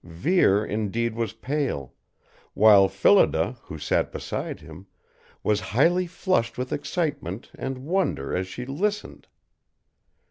Vere indeed was pale; while Phillida, who sat beside him, was highly flushed with excitement and wonder as she listened.